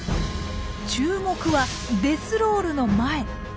注目はデスロールの前。